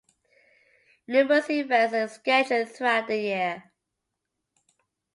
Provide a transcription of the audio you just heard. Numerous events are scheduled throughout the year.